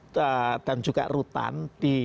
dan juga rutan di